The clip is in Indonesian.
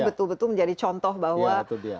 betul betul menjadi contoh bahwa